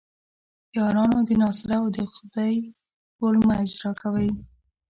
یارانو د ناصرو د خدۍ رول مه اجراء کوئ.